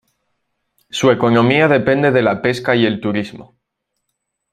Su economía depende de la pesca y el turismo.